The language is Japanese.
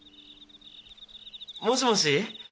もしもし？